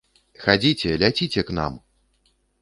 Хадзіце, ляціце к нам!